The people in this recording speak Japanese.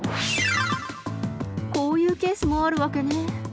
こういうケースもあるわけね。